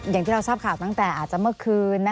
อย่างที่เราทราบข่าวตั้งแต่อาจจะเมื่อคืน